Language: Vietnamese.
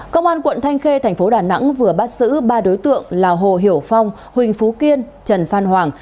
công an quận thanh khê thành phố đà nẵng vừa bắt giữ ba đối tượng là hồ hiểu phong huỳnh phú kiên trần phan hoàng